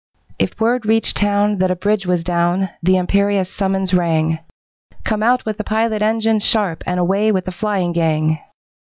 If word reached town that a bridge was down, The imperious summons rang 'Come out with the pilot engine sharp, And away with the flying gang.'